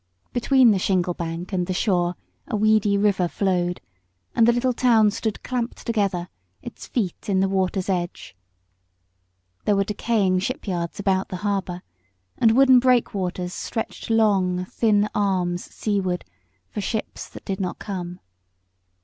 Between the shingle bank and the shore a weedy river flowed and the little town stood clamped together, its feet in the water's edge. There were decaying shipyards about the harbour, and wooden breakwaters stretched long, thin arms seawards for ships that did not come.